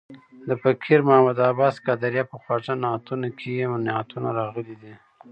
د فقیر محمد عباس قادریه په خواږه نعتونه کې یې نعتونه راغلي دي.